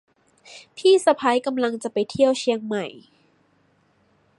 พี่สะใภ้กำลังจะไปเที่ยวเชียงใหม่